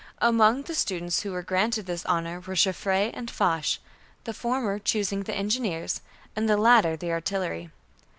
Among the students who were granted this honor were Joffre and Foch the former choosing the engineers, and the latter the artillery.